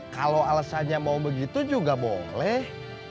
kalau alasannya mau begitu juga boleh